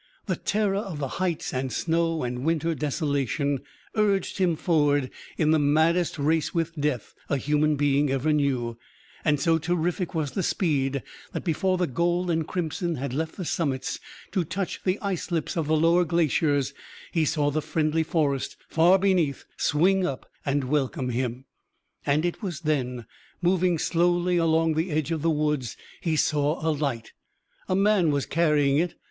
The terror of the heights and snow and winter desolation urged him forward in the maddest race with death a human being ever knew; and so terrific was the speed that before the gold and crimson had left the summits to touch the ice lips of the lower glaciers, he saw the friendly forest far beneath swing up and welcome him. And it was then, moving slowly along the edge of the woods, he saw a light. A man was carrying it.